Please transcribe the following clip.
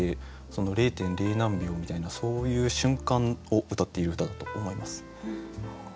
その０．０何秒みたいなそういう瞬間をうたっている歌だと思います。